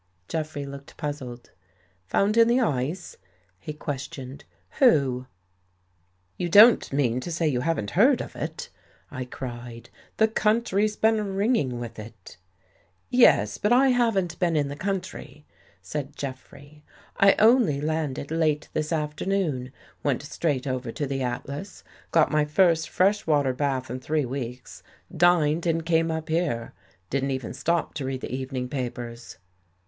Jeffrey looked puzzled. "Found in the ice?" he questioned. "Who?" " You don't mean to say you haven't heard of it! " I cried. " The country's been ringing with it." "Yes, but I haven't been in the country," said Jeffrey. " I only landed late this afternoon. Went straight over to The Atlas, got my first fresh water bath in three weeks, dined and came up here. Didn't even stop to read the evening papers."